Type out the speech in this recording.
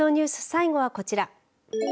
最後はこちら。